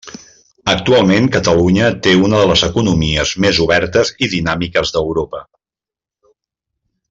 Actualment Catalunya té una de les economies més obertes i dinàmiques d'Europa.